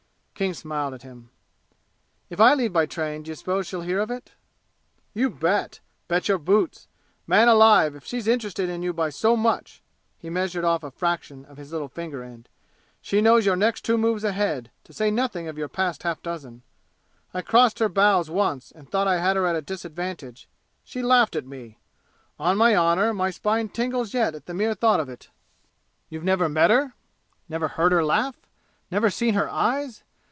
King smiled at him. "If I leave by train d'you suppose she'll hear of it?" "You bet! Bet your boots! Man alive if she's interested in you by so much," he measured off a fraction of his little finger end "she knows your next two moves ahead, to say nothing of your past half dozen! I crossed her bows once and thought I had her at a disadvantage. She laughed at me. On my honor, my spine tingles yet at the mere thought of it! You've never met her? Never heard her laugh? Never seen her eyes?